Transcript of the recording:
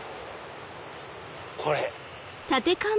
これ。